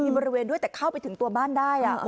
มีบริเวณด้วยแต่เข้าไปถึงตัวบ้านได้